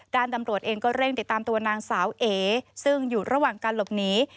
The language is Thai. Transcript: ตำรวจเองก็เร่งติดตามตัวนางสาวเอซึ่งอยู่ระหว่างการหลบหนี